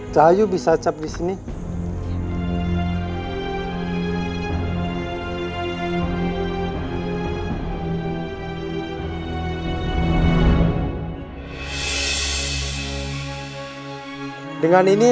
cahayu bisa cap disini